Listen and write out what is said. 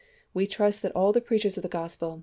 we trust that all the preachers of the Gospel